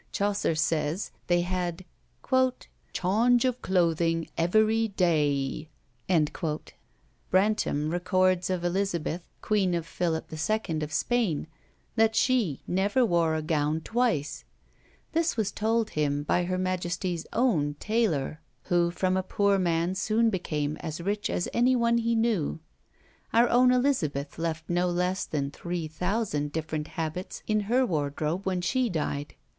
Chaucer says, they had "chaunge of clothing everie daie." Brantome records of Elizabeth, Queen of Philip II. of Spain, that she never wore a gown twice; this was told him by her majesty's own tailleur, who from a poor man soon became as rich as any one he knew. Our own Elizabeth left no less than three thousand different habits in her wardrobe when she died.